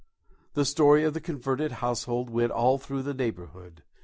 The story of the converted household went all through the neighbourhood.